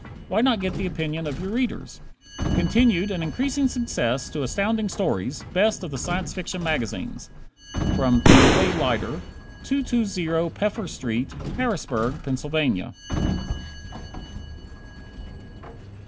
Why not get the opinion of other readers? Continued and increasing success to Astounding Stories, best of the Science Fiction magazines! P. A. Lyter, 220 Peffer Street, Harrisburg, Pa.